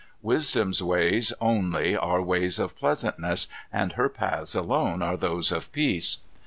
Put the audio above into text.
Wisdom's ways only are ways of pleasantness, and her paths alone are those of peace.